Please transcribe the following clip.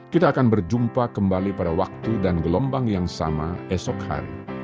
kita akan berjumpa kembali pada waktu dan gelombang yang sama esok hari